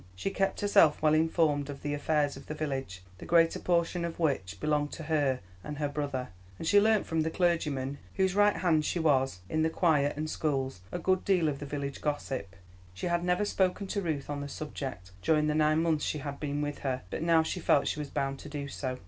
She kept herself well informed of the affairs of the village the greater portion of which belonged to her and her brother and she learnt from the clergyman, whose right hand she was in the choir and schools, a good deal of the village gossip. She had never spoken to Ruth on the subject during the nine months she had been with her, but now she felt she was bound to do so.